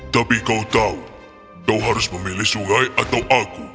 tapi kau tahu harus memilih sungai atau aku